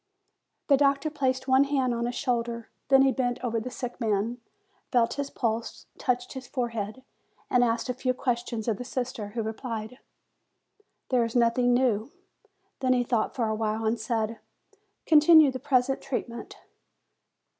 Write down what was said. The doctor placed one hand on his shoulder; then bent over the sick man, felt his pulse, touched his forehead, and asked a few questions of the sister, who replied, "There is nothing new." Then he thought for a while and said, "Continue the present treat ment."